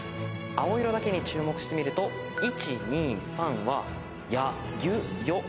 青色だけに注目してみると１２３はヤユヨ。